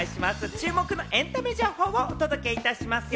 注目のエンタメ情報もお届けしますよ。